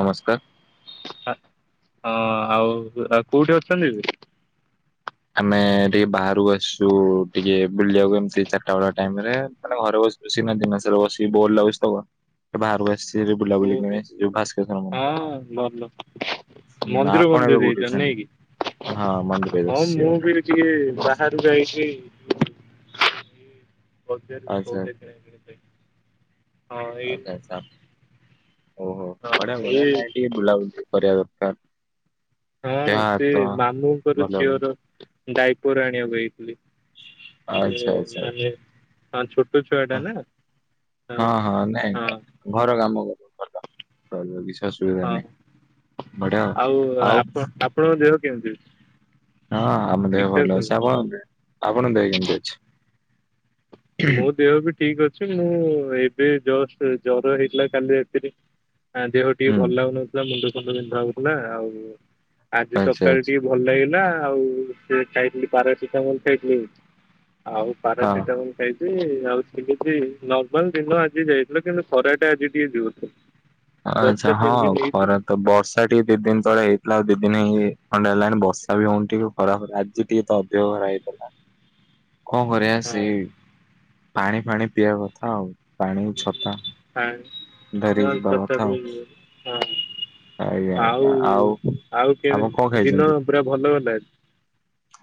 ନମସ୍କାର ହଁ ଆଉ ଆ କୋଉଠି ଅଛନ୍ତି? ଆମେ ଟିକେ ବାହାରକୁ ଆସିଛୁ ଟିକେ ବୁଲିବାକୁ ଏନତି ଚାରିଟା ବେଳ ଟାଇମରେ ମାନେ ଘରେ ବସି ବସିିନା ଦିନସାରା ବସି କି ବୋର୍ ଲାଗୁଛି ତ ବାହାରକୁ ଆସିଛି ରେ ଓହୋ ବୁଲାବୁଲି କଣ ଯଉ ଭାସ୍କରଶ୍ଵର ମନ୍ଦିର ହଁ ହ ଭଲ [unintelligible] ମନ୍ଦିର ଆପଣ ମନ୍ଦିର ଏବେ ଯାଇଛ ନାଇଁ କଉଠିଅଛନ୍ତି କି? ହଁ ମନ୍ଦିରରେ ହଁ ବସିଛି ମୁଁ ବି ଏବେ ଟିକେ ବାହାରୁକୁ ଆଇଛି ବଜାରରୁ ଆଚ୍ଛା ସଉଦା କିଣାକିଣି ପାଇଁ ହଁ ଆଚ୍ଛା ଏଇନେ ଆଚ୍ଛା ଓହୋ ବଢିଆ ବଢିଆ ଏଇ ନାଇ ଟିକେ ବୁଲାବୁଲି କରିବା ଦରକାର ହଁ ଦେହ ସେ ହାତ ମାମୁଁଙ୍କର ଭଲ ରହିବ। ଝିଅର ଡାଇପର ଆଣିବାକୁ ଯାଇଥିଲି ଆଚ୍ଛା ସିଏ ଆଚ୍ଛା ଆଚ୍ଛା ମାନେ ହ ଛୋଟ ଛୁଆଟା ନା ହଁ ହଁ ନାଇଁ ହଁ ନାଇଁ ଘର କାମ କର ଭଲ। ରହିବା କିଛିସୁବିଧା ହଁ ନାହିଁ ବଢିଆ ଆଉ ଆପଣଙ୍କ ଦେହ କେମିତି ଅଛି? ହଁ ଆମ ଦେହ ଠିକ ଠାକ ଭଲ ସବୁ? ଅଛି। ଆପଣଙ୍କ ଦେହ ଆପଣଙ୍କ ଦେହ କେମିତି ଅଛି? ମୋ ହୁଁ ଦେହ ବି ଠିକ ଅଛି, ମୁଁ ଏବେ ଜଷ୍ଟ ଜର ହେଇଥିଲା କାଲି ରାତିରେ ଆ ଦେହ ଟିକେ ଭଲ ଲାଗୁନଥିଲା ମୁଣ୍ଡ ଫୁଣ୍ଡ ବିନ୍ଧା ହଉଥିଲା। ଆଉ ଆଜି ଆଚ୍ଛା ସକାଳେ ଆଚ୍ଛା। ଟିକେ ଭଲ ଲାଗିଲା ଆଉ ସେ ଖାଇଥିଲି ପାରାସିଟାମଲ ଖାଇଥିଲି, ଆଉ ହଁ। ପାରାସିଟାମଲ ଖାଇଛି ଆଉ ଠିକ ଅଛି ନର୍ମାଲ ଦିନ ଆଜି ଯାଇଥିଲ। କିନ୍ତୁ ଖରାଟା ଆଜି ଟିକେ [unintelligible] [inaudible] ଆଚ୍ଛା ବର୍ଷା ତିନି ହଁ ଦିନ ହେଇଛି ଖରା ତ ବର୍ଷା ଟିକେ ଦି ଦିନ ତଳେ ହେଇଥିଲା, ଆଉ ଦି ଦିନ ହେଇ ଥଣ୍ଡା ହେଲାଣି ବର୍ଷା ବି ହ ଖରାପ ଆଜି ଟିକେ [unintelligible] ଖରା ହେଇଥିଲା। [inaudible] କଣ କରିବା ସେ ହଁ ପାଣି ଫାଣି ପିଇବା କଥା ଆଉ ପାଣି, ଛତା ପାଣି ଧରିକି ଯିବା କଥା ଆଉ। [unintelligible] ଆଜ୍ଞା ଆଉ ଆଜ୍ଞା ଆଉ ଆପଣ କଣ କେମତି ଦିନ ଖାଇଛନ୍ତି? ପୁରା ଭଲ ଗଲା।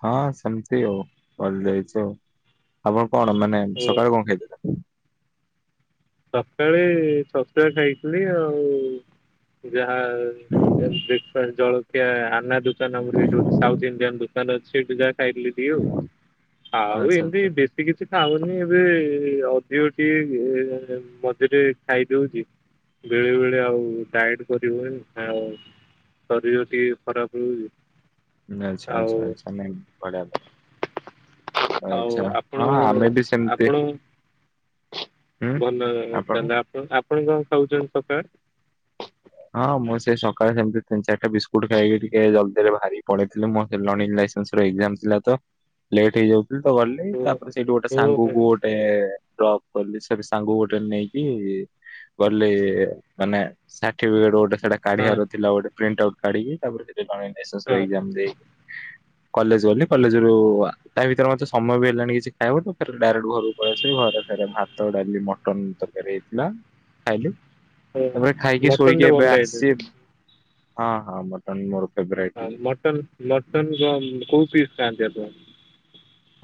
ହଁ ସେମିତି ଆଉ କରି ଯାଇଛି ଆଉ ଆପଣ କଣ ମାନେ ଓ ସକାଳେ କଣ ଖାଇଥିଲେ? ସକାଳେ ଛତୁଆ ଖାଇଥିଲି ଆଉ ଯାହା ବ୍ରେକ୍ଫାଷ୍ଟ ଜଳଖିଆ ଆନା ଦୋକାନ ଆମର ଏଇଠୁ ସାଉଥ ଇଣ୍ଡିଆନ ଦୋକାନ ଅଛି ସେଇଠୁ ଯାହା ଖାଇଥିଲି। ପିଇବୁ ଆଉ ଆଚ୍ଛା ଏମିତି ଆଚ୍ଛା ବେଶି କିଛି ଖାଉନି ଏବେ ଅଧିକ ଟିକେ ମଝିରେ ଖାଇଦଉ ବେଳେ ବେଳେ ଆଉ ଡାଏଟ କରିହୁଏନି ଆଉ। [unintelligible] ଦେହ ଟିକେ ଖରାପ ରହୁଛି। ଆଚ୍ଛା ଆଉ ଆଚ୍ଛା ଆଚ୍ଛା ଲାଇନ୍ ଖରାପ। ଆଉ ଆଚ୍ଛା ଆପଣ ହଁ ଆମେ ବି ଆପଣ ସେମିତି। ହୁଁ ଭଲ ତାହେଲେ ଆପଣ ଆପଣ କଣ ଖାଉଛନ୍ତି ସକାଳେ? ହଁ ମୁଁ ସେଇ ସକାଳେ ସେମିତି ତିନି, ଚାରିଟା ବିସ୍କୁଟ ଖାଇକି ଟିକେ ଜଲ୍ଦିରେ ବାହାରି ପଳେଇଥିଲି ମୁଁ ସେ [unintelligible] ଅନ୍ସ ଥିଲା ତ ଲେଟ୍ ହେଇଯାଉଥିଲା ତ ଗଲି ଓ ତାପରେ ସେଇଠି ଗୋଟେ ଓ ସାଙ୍ଗ କୁ ହୋ ଗୋଟେ ଡ୍ରପ କଲି ସେ ସାଙ୍ଗକୁ ଗୋଟେ ନେଇକି କଲି ମାନେ ଟିବିଏଡ ସେଟା ହଁ କାଢିବାର ଥିଲା ଗୋଟେ ପ୍ରିଣ୍ଟଆଉଟ କାଢିଲି। ତାପରେ ଟିକେ ଲିଙ୍ଗ ନେସେସ ର [unintelligible] କଲେଜ ଗଲି କଲେଜ ରୁ ତା ଭିତରେ ମତେ ସମୟ ବି ହେଲାନି କିଛି ଖାଇବାଊ ତ ଡାଇରେକ୍ଟ ଘରକୁ ଫେରି ଆସିଲି ଘରେ ସେ ଭାତ, ଡାଲି, ମଟନ ତରକାରୀ ହେଇଥିଲା। ଖାଇଲୁ ହଁ ତାପରେ ଖାଇକି ମଟନ ଟା ଶୋଇକି ଭଲ ଏବେ ଲାଗେ ଆସିଛି। ହଁ ହଁ ତମେ ମୋର ହଁ [unintelligible] ମଟନ୍ କ କୋଉ ପିସ ଖାଆନ୍ତି [unintelligible]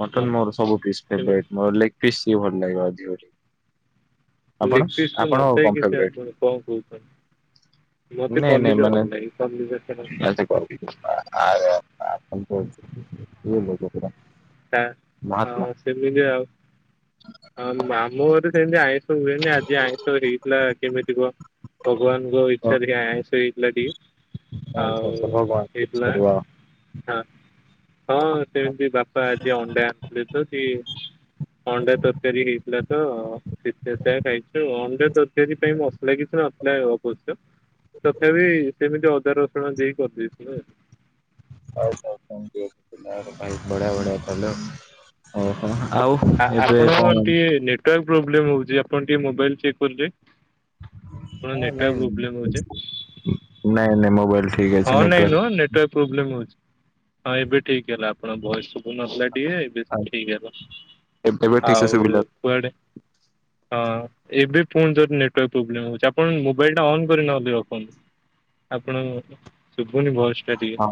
ମଟନ୍ ମୋର ସବୁ ପିସ୍ ଫେବରାଇଟ୍ ମୋର ଲେଗ ପିସ୍ ସିଏ ମୋର [unintelligible] ପିସ୍। ଲେଗ୍ ପିସ୍ ଆପଣ କଣ ନଥାଇକି [unintelligible] ଫେବରାଇଟ ଆପଣ କଣ କହୁଛନ୍ତି [inaudible] ମତେ ନାଇଁ ନାଇଁ କଲିଜା ମାନେ ଭଲ ଲାଗେ, କଲିଜା ସେ ଆଚ୍ଛା, [unintelligible] ହଁ ମହାତ୍ମା ସେମିତି ଆଉ ହଁ ମାମୁଁ ଘରେ ସେମିତି ଆ ହୁହେନି ଆଜି ଆଇଁଷ ହେଇଥିଲା କେମିତି କୁହ ଭଗବାନଙ୍କ ଓ, ଇଚ୍ଛା ଟିକେ ଆଇଁଷ ହେଇଥିଲା ଟିକେ। ଆଚ୍ଛା, ଆଉ ଆଚ୍ଛା, ଭଗବାନ ହେଇ ଥିଲା। ଆଚ୍ଛା, ହଁ ହଁ ସେମିତି ବାପା ଆଜି ଅଣ୍ଡା ଆମ୍ବଲେଟ୍ [unintelligible] ଅଣ୍ଡା ତରକାରୀ ହେଇଥିଲା ତ। ସେଇଠି ଯାହା ଖାଇଛୁ ଆଉ ଅଣ୍ଡା ତରକାରି ପାଇଁ ମସଲା କିଛି ନଥିଲା ଅବଶ୍ୟ ତଥାପି ସେମିତି ଅଦା ରସୁଣ ଦେଇକି କରିଦେଇ ଥିଲୁ ଆଉ। ହଉ ହଉାଇ ବଢ଼ିଆ ବଢିଆ ଖାଇଲ। [inaudible] ଓହୋ ଆଉ ଏବେ ଆପଣ କଣ? ଟିକେ ନେଟୱାର୍କ ପ୍ରୋବଲେମ୍ ହଉଛି ଆପଣ ଟିକେ ମୋବାଇଲ ଚେକ୍ କରନ୍ତେ। ଆପଣ ହଁ ନାଇଁ ନେଟୱାର୍ ପ୍ରୋବ୍ଲେମ ହଉଛ? ନାଇଁ ନାଇଁ ମୋବାଇଲ ଠିକ ଅଛି ହଁ ନାଇଁ ନୁହଁ ନେଟୱାର୍କ ନେଟୱାର୍କ ପ୍ରୋବ୍ଲେମ୍ ହଉଛି ହଁ ଏବେ ଠିକ ହେଲା। ଆପଣ ବୟସ ସୁବୁ ନଥିଲା ଟିକେ ବେଶ ଠିକ ହେଲା ଏବେ ଠିକ ସେ ଆଉ ଶୁଭିଲା କୁଆଡେ ହଁ ଏବେ ଫୁଣି ଥରେ ନେଟୱାର୍କ ପ୍ରୋବ୍ଲେମ ହଉଛି ଆପଣ ମୋବାଇଲ ଅନ୍କକରି ନହେଲେ ରଖନ୍ତୁ ଆପଣ ଶୁଭୁନି ଭ ସେ ଟିକେ ହଁ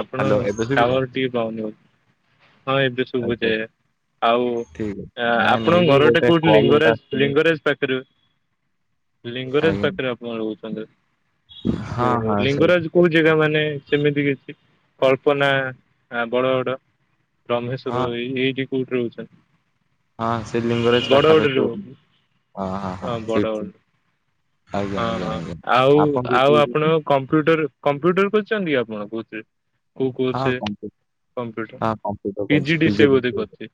ଆପଣ ହ୍ୟାଲୋ ଏବେ ଶୁଭିଲା ଟାୱାର ଟିକେ ପାଉନି ବୋଧେ ହଁ ଏବେ ଶୁଭୁଚି ଆଚ୍ଛା ଆଜ୍ଞା ଆଉ ଠିକ ଅଛି ନାଇଁ ନାଇଁ ଆପଣଙ୍କ ଇଏ ଘରଟା ଗୋଟେ କୋଉଠି କଲ ଗୋଟେ ଲିଙ୍ଗରାଜ ଆସିଥିଲା ଲିଙ୍ଗରାଜ ପାଖ ରେଲିଙ୍ଗରାଜ ଆଜ୍ଞା ପାଖରେ ଆପଣ ରହୁଛନ୍ତି ହଁ ଓହୋ ହଁ ସେଇ ଲିଙ୍ଗରାଜ କୋଉ ଜାଗା ମାନେ ସେମିତି କିଛି କଳ୍ପନା ଵର ଗଡ? ଡମ୍ୱେଶ୍ଵର ହଁ ଏଇଠି କୋଉଠି ରହୁଛନ୍ତି? ହଁ ସେ ଲିଙ୍ଗରାଜ ପାଖାପାଖି ବଡ଼ଗଡିରୁ ଗୋଟେ ରୁହନ୍ତି ହଁ ବଡଗଡ଼ ଆଜ୍ଞା ହଁ ଆଜ୍ଞା ହଁ ଆଜ୍ଞା ଆଉ ଆପଣ ବି ଆଉ କହୁଛନ୍ତି ଆପଣ କମ୍ପ୍ୟୁଟର କମ୍ପ୍ୟୁଟର କରିଛନ୍ତି କି ଆପଣ କଉଥିରେ କଉ ହଁ କୋର୍ସରେ କମ୍ପ୍ୟୁଟର କମ୍ପିୁଟର ହଁ କମ୍ପ୍ୟୁଟର କରିଛି ପିଜିି ଡି ସିଏ ବିଜେଡି ବୋଧେ ହଁ କରଛି।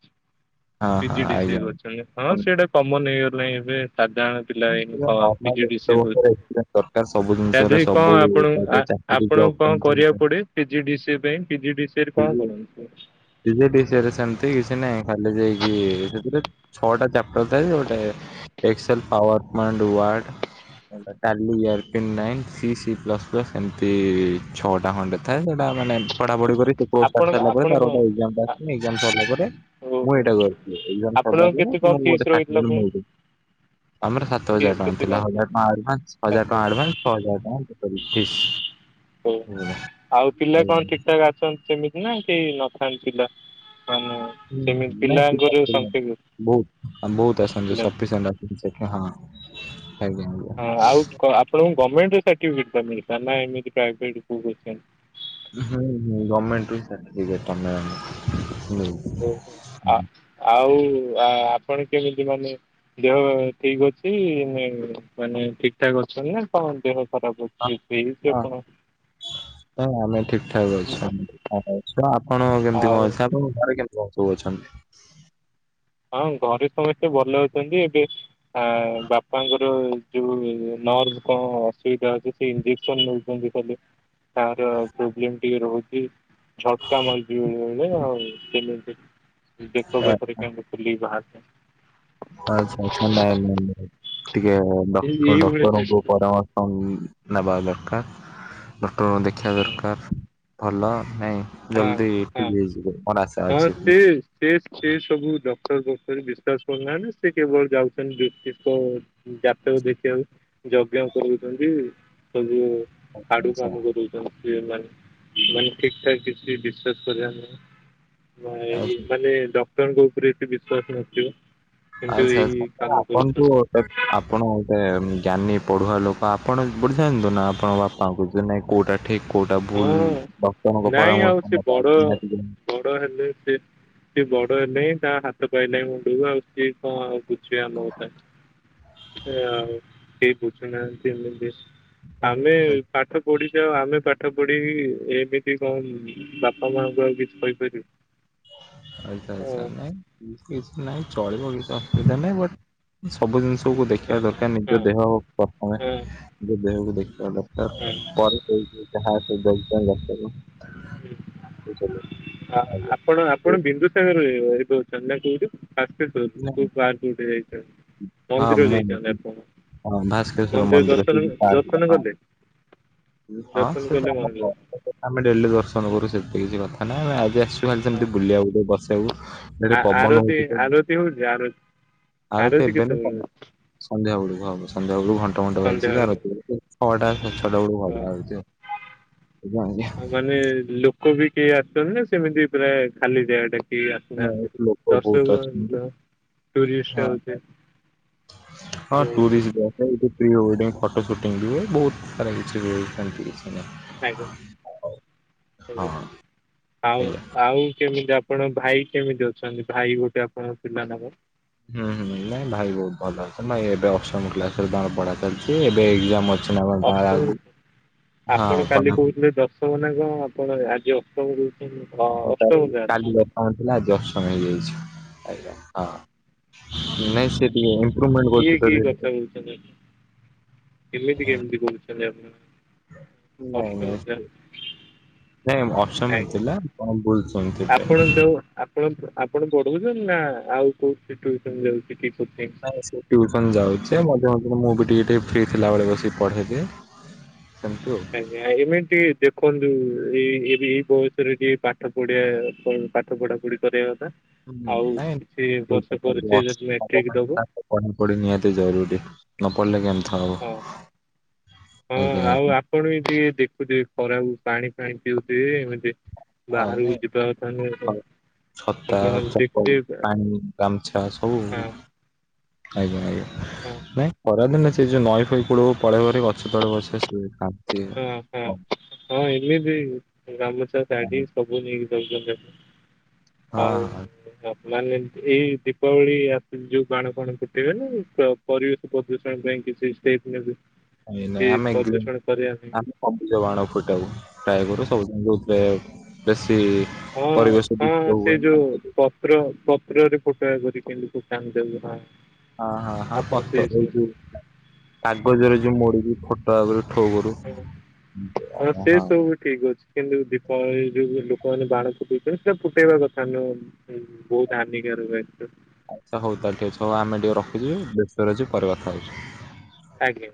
ହଁ ପଜିଡିସିଏ ଆଜ୍ଞା କରିଛନ୍ତି ହଁ ସେଟା କମନ ହେଇଗଲାଣିଁ ଏବେ ସାଧାରଣ ପିଲା ଏ କ ନର୍ମାଲ ପିଜି ଏତେ ଡିସିଏ କରି ବର୍ଷର ଏକ୍ସପିରିଏନ୍ସ ଦରକାର ସବୁ ଜିନିଷରେ [unintelligible] କଣ ସବୁ ଆପଣଙ୍କୁ ଚାକିରି ଆପଣଙ୍କୁ ଜବ୍ କଣ କରିବାକୁ ପାଇଁ ପଡେ ପିଜି ଡିସି ଏ ପାଇଁ ପିଜି ଡିସିରେ କଣ କରନ୍ତି? ପିଜି ଡିସିଏରେ ସେମତି କିଛି ନାଇଁ ଖାଲି ଯାଇକି ସେଥିରେ ଛଅଟା ଚାପ୍ଟର ଥାଏ ଗୋଟେ ଏକ୍ସଲ ପାୱାର ପଏଣ୍ଟ ୱ। ଡ଼ ଟାଲି ଇଅର ପିନ୍‌ନାଇ ସି ସି ପ୍ଲସ଼ ପ୍ଲସ୍‌ ଏମିତି ଛଅଟା ଖଣ୍ଡେ ଥାଏ ସେଟା ମାନେ ପଢାପଢି କରି ସେକୋର୍ସ ଆପଣ ସାରିଦେଲା ପରେ ଆପଣ ତା କଣ ଓହୋ ଗୋଟେ ଏକଜାମଟେ ଏଗଜାମ ସରିଲା ପରେ ମୁଁ ଏଇଟା କରିଥିଲି ଏଗଜାମ ସରିଲା ଆପଣଙ୍କ ପରେ କେତେ କଣ ମୁଁ ବି ଫିସ୍ ଗୋଟେ ରହିଥିଲା ସାଟିପିକେଟ ପୁଣି ମଗେଇ ଦେଇଥିଲି। [unintelligible] ଆମର ସାତ ହଜାର ଫିସ୍ ଟଙ୍କା କେତେ ଥିଲା କଣ ହଜାର ଟଙ୍କା ଆଡଭାନ୍ସ ସାତ ଛଅ ହଜାର ଟଙ୍କା [unintelligible] ଓ ବୁଝିଲେ? ଆଉ ପିଲା କଣ ଆଜ୍ଞା। ଠିକ ଠାକ ସବୁ ଅସନ୍ତି ସେମିତି ନା କେହି ନଥାନ୍ତି ପିଲା ମାନେ ହୁଁ ସେମିତି ନାଇଁ ପିଲା ପିଲାଙ୍କର ଥିଲେ ସଂଖ୍ୟା କେତେ? ବହୁତ ଆଁ ବହୁତ ଅସନ୍ତି ପିଲା ସଫିସେଣ୍ଟ [unintelligible] ହଁ ଆଜ୍ଞା। ହଁ ଆଉ ଆପଣଙ୍କୁ ଗମେଣ୍ଟ ସାଟିପିକେଟେ ଟା ମିଳଥାନ୍ତା ନା ଏମତି ପ୍ରାଇଭେଟ [unintelligible] ହୁଁ ହୁଁ ଗମଣ୍ଟ ରୁ ସାଠି ପିକେଟେଟା ଆମେ ଆଣୁ। ଓହୋ। ଆ ଆଉ ଆପଣ କେମିତି ମାନେ ଦେହ ଠିକ ଅଛି ମାନେ ଠିକ ଠାକ ଅଛନ୍ତି ନା କଣ ଦେହ ଖରାପ ଅଛିସେଇଛିପଣ ନାଇଁ ଆମେ ଠିକ ଠାକ୍ ଅଛୁ ତ ଆପଣ କେମିତି ଆଉ କଣ ଅଛୁ ଆପଣ ଘରେ କେମିତି କ ସବୁ ଅଛନ୍ତି? ହଁ ଘରେ ସମସ୍ତେ ଭଲ ଅଛନ୍ତି ଏବେ ଆ ବାପାଙ୍କର ଯୋଉ ନର୍ଭକଣ ଅସୁବିଧା ଅଛି ଇଞ୍ଜେକ୍ସନ ନେଉଛନ୍ତି ଖାଲି, ତାର ପ୍ରୋବ୍ଲେମ୍ ଟିକେ ରହୁଛି। ଝଟକା ମାରୁଛି ବେଳେବେଳେ ଆଉ ସେମିତି ବେକ ଆ ପାଖରେ କେମିତି ଫୁଲିକି ବାହାରିଛି। ଆଛା ଆଛା ନାଇଁ ନାଇଁ ନାଇଁ ନାଇଁ ଟିକେ ଡକ୍ ଏଇ ଏଇଭଳି ଟେଷ୍ଟ ଡକ୍ଟରଙ୍କୁ ପରାମ ଆଉ ନେବା ଦରକାର, ଡକ୍ଟରଙ୍କୁ ଦେଖେଇବା ହଁ ଦରକାର। ଭଲ ନାଇଁ, ହଁ ଜଲଦି ହଁ ଠିକ୍ ହେଇଯିବେ, ମୋର ଆଶା ହଁ ଅଛି। ସେ ସେ ସେ ସବୁ ଡକ୍ଟର ଫକ୍ଟର ବିଶ୍ଵାସ କରୁନାହାନ୍ତି, ସେ କେବଳ ଯାଉଛନ୍ତି ଜ୍ୟୋତିଷ ଜାତକ ଦେଖିବାକୁ ଯଜ୍ଞ କରୁଛନ୍ତି ସେ ଯୋଉ ହାଡୁ ଆଚ୍ଛା କାମ କରଉଛନ୍ତି ସେମାନେ, ମାନେ ଠିକ ଠାକ କିଛି କି ବିଶ୍ବାସ କରିବାର ନାହିଁ, ମା ଆଚ୍ଛା ମାନେ ଡା ଲୋକଙ୍କ ଉପରେ ଏତେ ବିଶ୍ଵାସ ରଖିବା ଆଚ୍ଛା ଆଚ୍ଛା ଆପଣ ଆପଣଙ୍କୁ କ ଆପଣ ଗୋଟେ ଜ୍ଞାନୀ ପଢୁଆ ଲୋକ, ଆପଣ ବୁଝାନ୍ତୁ ନା ଆପଣ ବାପାଙ୍କୁ। ଯେ ନାଇଁ କୋଉଟା ଠିକ୍ କୋଉଟା ଭୁଲ, ହଁ ଡକ୍ଟରଙ୍କ ନାଇଁ କଥାରେ ଆମେ ଆଉ ସେ ଆମେ ତ ବଡ ନିହାତି ଯିବୁ। ବଡ ହେଲେ ସେ ସେ ବଡ ହେଲେ, ତା ହାତ ପାଇଲେ ମୁଣ୍ଡକୁ, ଆଉ ସିଏ କଣ ଆଉ ବୁଝିବେ ଆମ କଥା। ହେ ଆଉ କେହି ବୁଝୁନାହାନ୍ତି ଏମିତି, ଆମେ ପାଠ ପୋଡ଼ିଯାଅ ଆମେ ପାଠ ପଢି ଏମିତି କଣ ବାପା ମାଙ୍କୁ ଆଉ କିଛି କହିପାରିବୁ? ଆଛା ହଁ ଆଚ୍ଛା ହଁ ନାଇଁ କିଛି ନାଇଁ, ଚଳିବ, କିଛି ଅସୁବିଧା ନାହିଁ ବଟ୍ ସବୁ ଜିନିଷକୁ ଦେଖିବା ଦରକାର, ନିଜ ହଁ ଦେହ ପ୍ରଥମେ ନିଜ ଦେହକୁ ଦେଖିବା ଦରକାର। ହୁଁ। ପରେ ଦେଇଛି ଯାହା, [unintelligible] ବୁଝିଲେ? ଆ ଆପଣ ଆପଣ ବିନ୍ଦୁସାଗର ଆଡେ ରହୁଛନ୍ତି ନା କୋଉଠି? ସାସ୍କ୍ରିତ ଟୁଲ, କୋଉ ପାର୍କ ଗୋଟେ ଯାଇଛନ୍ତି, ଆଉ- ହଁ ମନ୍ଦିର ମୁଁ ଯାଇଛନ୍ତି ଆପଣ। ହଁ ଭାସ୍କେରଶ୍ଵର ମନ୍ଦିର, ଦର୍ଶନ ସେଠି ପାର୍କ ଥିଲା ଦର୍ଶନ ହଁ, କଲେ ହଁ ଦର୍ଶନ ସେଟା କଲେ ଆମ ମନ୍ଦିର ପାର୍କ। ଆମେ ଡେଲି ଦର୍ଶନ କରୁ, ସେମିତି କିଛି କଥା ନାହିଁ, ଆମେ ଆଜି ଆସିଛୁ। ତୁ ଖାଲି ହଁ ସେମିତି ବୁଲିବାକୁ ଗୋଟେ ବସିବାକୁ, ଏଠି ପବନ ହଉଛି ତ। କେଉଁ ଯାର ଆଳତି ଏବେ ନା କଣ, ସନ୍ଧ୍ୟା ବେଳକୁ ହବ। ସନ୍ଧ୍ୟା ବେଳୁ ଘଣ୍ଟ ଘଣ୍ଟ ବାଜିକି ସନ୍ଧ୍ୟାବେଳେ ଆରତୀ ହଉଛି। ଛଅଟା, ସାଢ଼େ ଛଅଟା ବେଳକୁ ହଁ ହବ ଆଳତି। ଆଜ୍ଞା ଆଜ୍ଞା। ମାନେ ଲୋକ ବି କେହି ଆସୁଛନ୍ତି ନା ସେମିତି ପୁରା ଖାଲି ଜାଗାଟା? କେହି ନାଇଁ, ଆସିନାହାନ୍ତି। ଏଠି ଲୋକ ବହୁତ ଦର୍ଶକ ଏ ଅଛନ୍ତି ତ ହଁ ଟୁରିଷ୍ଟ ହଉଛି। ହଁ ଓହୋ ଟୁରିଷ୍ଟ ବା। ନା ଏଠି ପ୍ରି ୱେଡିଂ ଫଟୋ ସୁଟିଂ ବି ହୁଏ। ବହୁତ ସାରା କିଛି। [unintelligible] ଆଜ୍ଞା, ଆଜ୍ଞା। ହଁ ଆଉ ଏଇଆ। ଆଉ କେମିତି ଆ ପଣ ଭାଇ କେମିତି ଅଛନ୍ତି, ଭାଇ ଗୋଟେ ଆପଣଙ୍କ ଥିଲା ନା କଣ? ହୁଁ ହୁଁ ନାଇଁ ଭାଇ ବହୁତ ଭଲ ଅଛନ୍ତି। ନାହିଁ ଏବେ ଅଷ୍ଟମ କ୍ଲାସରେ ତାଙ୍କର ପଢା ଚାଲିଛି। ଏବେ ଏକ୍ଜାମ୍ ଅ ଅଷ୍ଟମରେ, ହଁ ଆପଣ କାଲି ପଢା କହୁଥିଲେ ଦଶ ମ ନା କଣ, ଆପଣ ଆଜି ଅଷ୍ଟମ କହୁଛନ୍ତି। ତ ଅଷ୍ଟମ କ୍ଲାସ୍? ହ ଥିଲା, ଆଜି ଅଷ୍ଟମ ହେଇଯାଇଛି। ଆଜ୍ଞା। ହଁ, ନାଇଁ ସେ ଟିକେ ଇମ୍ପ୍ରୁବମେଣ୍ଟ ଇଏ କରୁଛି ତ କି ଧୀରେ କଥା ଧୀରେ। କହୁଛନ୍ତି ଏମିତି କେମିତି କହୁଛନ୍ତି ଆପଣ? ନାଇଁ ଅଷ୍ଟମ ନାଇଁ ଯା ସେ, ନାଇଁ ଅଷ୍ଟମ ହିଁ ଥିଲା। ଆଜ୍ଞା। କଣ ବୁଲ ସେଇଥି ଆପଣ ପାଇଁ ଯୋଉ ଆପଣ ଆପଣ ପଢଉଛନ୍ତି ନା ଆଉ କୋଉଠି ଟିଉସନ ଯାଉଛି କି? କୋଚିଂ? ନାଇ ସେ ଟ୍ୟୁସନ୍ ଯାଉଛି ମଝିରେ ମଝିରେ ମୁଁ ବି ଟିକେ ଟିକିେ ଫ୍ରି ଥିଲାବେଳେ ବସିକି ପଢ଼େଇଦିଏ ସେମିତି ଆଉ ଆଜ୍ଞା ଏମିତି ଦେଖନ୍ତୁ ଏଇ ଏବି ଏଇ ବୟସରେ ଟିକେ ପାଠ ପଢିଆ ପଇଁ ପାଠ ପଢା ପଢି କରିବା କଥା ହୁଁ ଆଉ ନାଇଁ କିଛି ଠିକ୍ ବର୍ଷ କଥା ପରେ ସେ ଅଷ୍ଟମ ଯଦି ନବମ ମେଟ୍ରିକ ଦବ। ହେଲା ତ ପଢାପଢି ନିହାତି ଜରୁରୀ ନ ପଢ଼ିଲେ କେମତି ହଁ ହଁ ଆଜ୍ଞା ଆଉ ଆଜ୍ଞା ଆପ ଆପଣ ବି ଟିକେ ଦେଖୁଥିବେ ଖରାକୁ ପାଣି ଫାଣି ପିଉଥିବେ ଏମିତି ହଁ ବାହାରକୁ ନାଇଁ ଯିବା କଥା ନୁହେଁ। ଛତା, ଆପଣ ଚପଲ, ଦେଖିଥିବେ ପାଣି, ଗାମଛା ସବୁ ହଁ ଆଜ୍ଞା ଆଜ୍ଞା ହଁ ନାଇଁ ଖରାଦିନ ସେ ଯୋଉ ନଈ ଫଇ କୂଳକୁ ପଳେଇ ହେରି ଗଛ ତଳେ ବସିବ ସେ ହଁ ହଁ ହଁ ଏମିତି ଗାମୁଛା ଶାଢୀ ହଁ ସବୁ। ସବୁ ନେଇକି ଯାଉଛନ୍ତି ଆଉ ମାନେ ଏଇ ଦୀପାବଳି ଆସୁଚି ଯୋଉ ବାଣ ଫାଣ ଫୁଟିଇବେ ନା ପ୍ର ପରିବେଶ ପ୍ରଦୂଷଣ ପାଇଁ କିଛି ଷ୍ଟେପ ନେବେ। ଏ ନାଇଁ ଆମେ ପ୍ରଦୂଷଣ କରିବା ଗ୍ଲୋବ ପାଇଁ ସବୁଜ ବାଣ ଫୁଟାଉ ଟ୍ରାଏ କରୁ ସବୁ [inaudible] ବେଶୀ ହଁ ପରିବେଶ ହଁ ଦୂଷିତ ସେ ହୁଏନି ଯୋଉ ହଁ ପପ ପତ୍ର ପତ୍ରରେ ଫୋଟକା କରି କେମିତି ଫୁଟାନ୍ତି ତାକୁ ହଁ। ହଁ ହଁ ହଁ ଆପଣ ସେ ପତ୍ର ଏଇ ସେ ଯୋଉ କାଗଜରେ ଯୋଉ ମୋଡିିକ ଫୋଟୋକା କରୁ ଠୋ କରୁ। ହ ହଁ ସେ ସବୁ ଠିକ୍ ଅଛି, କିନ୍ତୁ ଦୀପାବଳି ଯୋଉ ଲୋକମାନେ ବାଣ ଫୁଟେଇଛନ୍ତି। ସେଇଟା ଫୁଟେଇବା କଥା ନୁହଁ। ହୁଁ ବହୁତ୍ ହାନିକାରକ ଏର ସବୁ ଆଚ୍ଛା ହଉ ତାହେଲେ ଠିକ ଅଛି। ହଉ ଆମେଟିକେ ରଖୁଛୁ ବ୍ୟସ୍ତରେ ଅଛୁ ପରେ କଥା ହଉଚୁ। ଆଜ୍ଞା।